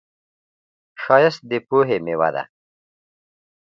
ښایست د پوهې میوه ده